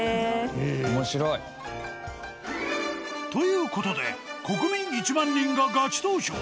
面白い！という事で国民１万人がガチ投票！